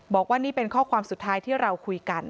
บอกว่านี่เป็นข้อความสุดท้ายที่เราคุยกัน